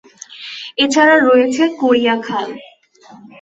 এছাড়া রয়েছে করিয়া খাল।